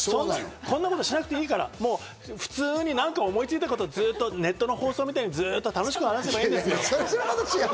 こんなことしなくていいから、普通に思いついたことをずっと、ネットの放送みたいに楽しく話せばいいんですよ。